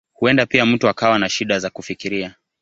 Huenda pia mtu akawa na shida za kufikiria.